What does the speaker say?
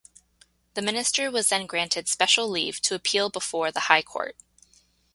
The Minister was then granted special leave to appeal before the High Court.